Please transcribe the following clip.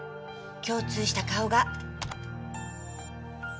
共通した顔が。